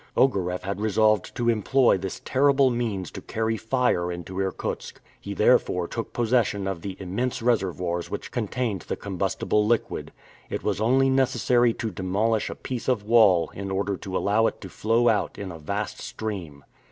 Ogareff had resolved to employ this terrible means to carry fire into Irkutsk. He therefore took possession of the immense reservoirs which contained the combustible liquid. It was only necessary to demolish a piece of wall in order to allow it to flow out in a vast stream.